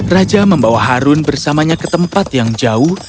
raja membawa harun bersamanya ke tempat yang jauh